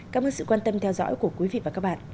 cảm ơn sự quan tâm theo dõi của quý vị và các bạn